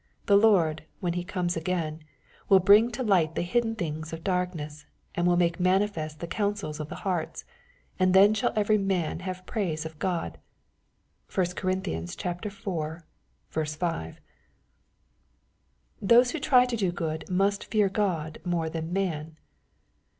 The Lord, when He comes again, " will bring to light the hidden things of darkness, and will make mani fest the counsels of the hearts, and then shall every man have praise of God.'' (1 Cor. iv. 5.) Those who try to do good must fear Ood more than man.